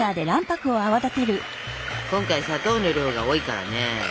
今回砂糖の量が多いからね。